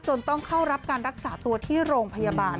ต้องเข้ารับการรักษาตัวที่โรงพยาบาล